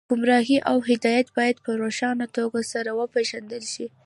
ګمراهي او هدایت باید په روښانه توګه سره وپېژندل شي